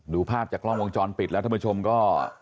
ดูภาพจากกล้องวงจรปิดแล้วท่านผู้ชมก็